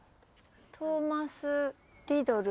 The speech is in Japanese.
トーマス・リドル？